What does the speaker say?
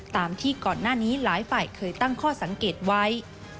ตามที่ก่อนหน้านี้หลายฝ่ายเคยตั้งข้อสังเกตไว้